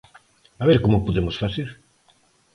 A ver como podemos facer.